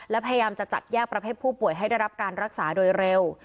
และพยายามจะจัดแยกประเภทผู้ป่วยให้ได้รับการรักษาโดยเร็ว